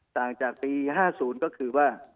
ต่างจากปี๕๐ก็คือว่า